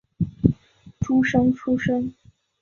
诸生出身。